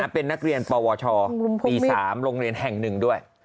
เป็นนักเรียนปวชปี๓โรงเรียนแห่งหนึ่งด้วย